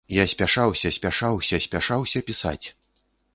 І спяшаўся, спяшаўся, спяшаўся пісаць.